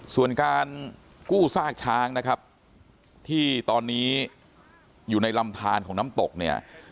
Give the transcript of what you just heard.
ส่วนการกู้ซากช้างนะครับที่ตอนนี้อยู่ในลำทานของน้ำตกเนี่ย